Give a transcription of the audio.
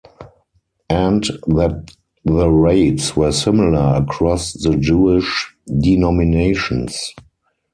And that the rates were similar across the Jewish denominations.